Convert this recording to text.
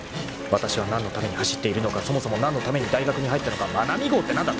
［わたしは何のために走っているのかそもそも何のために大学に入ったのかまなみ号って何だ！？